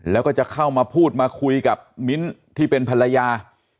แล้วก็จะเข้ามาพูดมาคุยกับมิ้นที่เป็นภรรยา